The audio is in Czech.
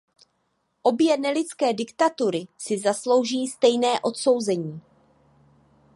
Obě nelidské diktatury si zaslouží stejné odsouzení.